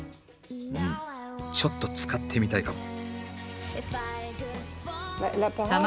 うんちょっと使ってみたいかも。